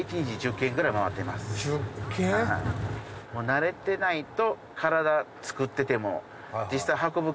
慣れてないと。